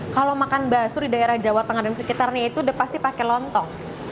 kalau makan bakso di daerah jawa tengah dan sekitarnya itu udah pasti pakai lontong